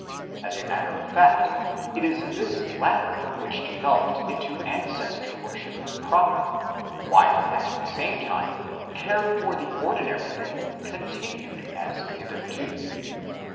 As a matter of fact, it is this latter which developed into Ancestor worship proper, while at the same time care for the ordinary dead continued as hitherto.